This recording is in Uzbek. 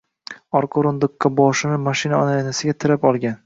Orqa o‘rindiqqa boshini mashina oynasiga tirab olgan.